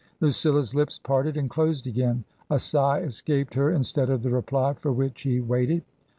Lucilla's lips parted and closed again. A sigh escaped her instead of the reply for which he waited.